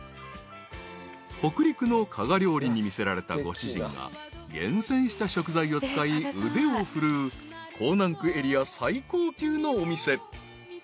［北陸の加賀料理に魅せられたご主人が厳選した食材を使い腕を振るう港南区エリア最高級のお店］